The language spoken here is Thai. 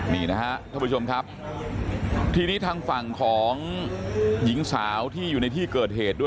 นี่นะฮะท่านผู้ชมครับทีนี้ทางฝั่งของหญิงสาวที่อยู่ในที่เกิดเหตุด้วย